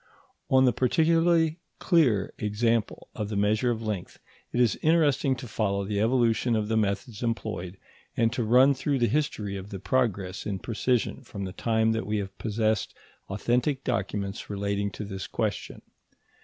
On the particularly clear example of the measure of length, it is interesting to follow the evolution of the methods employed, and to run through the history of the progress in precision from the time that we have possessed authentic documents relating to this question.